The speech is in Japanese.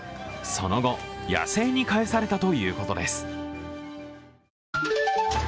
その後、野生に返されたということです。